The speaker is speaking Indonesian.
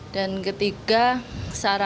dan ketiga sarana untuk memberikan